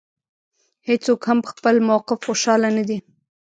هېڅوک هم په خپل موقف خوشاله نه دی.